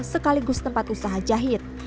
sekaligus tempat usaha jahit